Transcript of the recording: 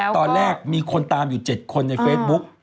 ตอนแรกมีคนตามอยู่๗คนในเฟซบุ๊ก